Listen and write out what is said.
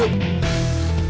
tidak ada apa apa